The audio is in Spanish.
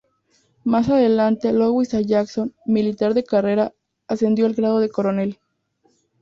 Más adelante, Louis A. Johnson, militar de carrera, ascendió al grado de coronel.